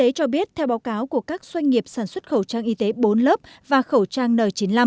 bộ y cho biết theo báo cáo của các doanh nghiệp sản xuất khẩu trang y tế bốn lớp và khẩu trang n chín mươi năm